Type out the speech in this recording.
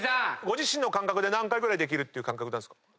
ご自身の感覚で何回ぐらいできるっていう感覚ですか？